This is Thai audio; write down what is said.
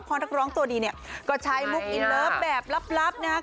พอนักร้องตัวดีเนี่ยก็ใช้มุกอินเลิฟแบบลับนะครับ